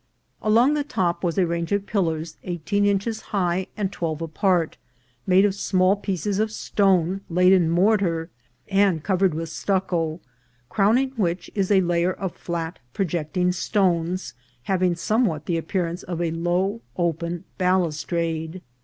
Along the top was a range of pillars eighteen inches high and twelve apart, made of small pieces of stone laid in mortar, and covered with stucco, crowning which is a layer of flat projecting stones, having some what the appearance of a low open balustrade.